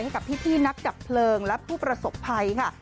ให้กับพี่นักกับเผลอและผู้ประสบไพรค่ะ